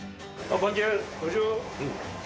こんにちは。